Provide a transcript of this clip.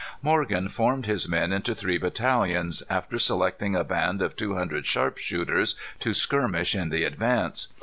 Morgan formed his men into three battalions, after selecting a band of two hundred sharpshooters to skirmish in the advance.